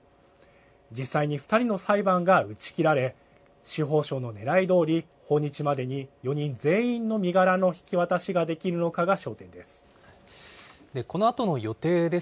実際に２人の裁判が打ち切られ、司法省のねらいどおり、訪日までに４人全員の身柄の引き渡しができるのかが焦点です。